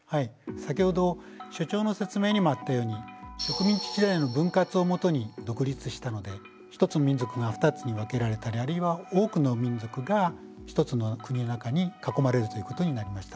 先ほど所長の説明にもあったように植民地時代の分割をもとに独立したので１つの民族が２つに分けられたりあるいは多くの民族が１つの国の中に囲まれるということになりました。